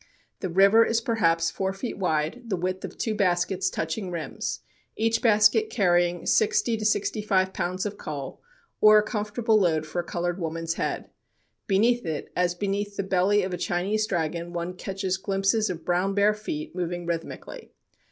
The river is perhaps four feet wide, the width of two baskets touching rims, each basket carrying sixty to sixty five pounds of coal, or a comfortable load for a colored woman's head. Beneath it, as beneath the belly of a Chinese dragon, one catches glimpses of brown bare feet moving rhythmically.